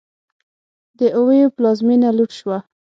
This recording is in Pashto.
د اویو پلازمېنه لوټ شوه.